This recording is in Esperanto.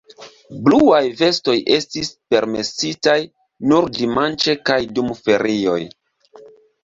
Bluaj vestoj estis permesitaj nur dimanĉe kaj dum ferioj.